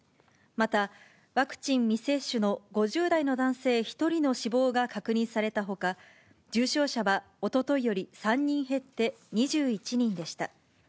またワクチン未接種の５０代の男性１人の死亡が確認されたほか、重症者はおとといより３人減って２１人でした。